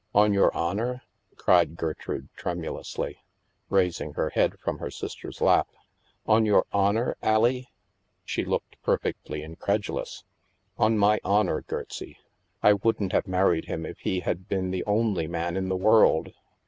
" On your honor ?" cried Gertrude tremulously, raising her head from his sister's lap. On your honor, Allie ?" She looked perfectly incredulous. " On my honor, Gertsie, I wouldn't have married him if he had been the only man in the world.